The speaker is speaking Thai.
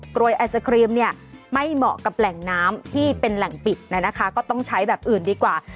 รวยไอศครีมเนี่ยไม่เหมาะกับแหล่งน้ำที่เป็นแหล่งปิดนะคะก็ต้องใช้แบบอื่นดีกว่า